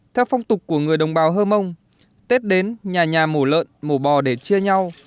theo phong tục của người đồng bào hơ mông tết đến nhà nhà mổ lợn mổ bò để chia nhau